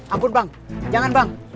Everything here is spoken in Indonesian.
ampun bang jangan bang